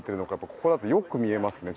ここだとよく見えますね